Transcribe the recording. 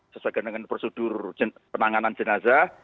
sesuaikan dengan prosedur penanganan jenazah